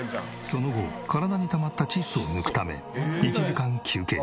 その後体にたまった窒素を抜くため１時間休憩。